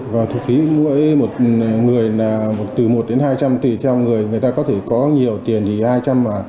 và thu phí mỗi một người là từ một đến hai trăm linh tùy theo người người ta có thể có nhiều tiền thì hai trăm linh mà